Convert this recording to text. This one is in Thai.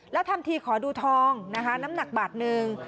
แล้วทำทีขอดูทองนะคะน้ำหนักบาทหนึ่ง